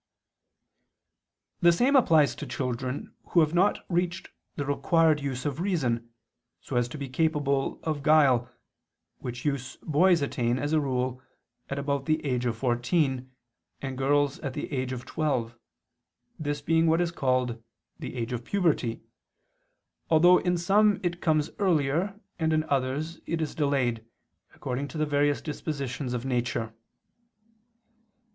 The same applies to children who have not reached the required use of reason, so as to be capable of guile, which use boys attain, as a rule, at about the age of fourteen, and girls at the age of twelve, this being what is called "the age of puberty," although in some it comes earlier and in others it is delayed, according to the various dispositions of nature.